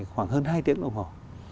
khoảng hơn hai tiếng đồng hồ